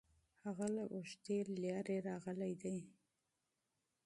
هغه له اوږدې لارې راغلی دی.